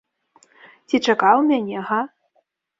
Ці чакаў мяне, га?